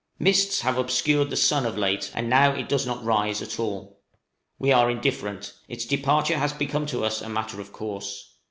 Mists have obscured the sun of late, and now it does not rise at all. We are indifferent; its departure has become to us a matter of course.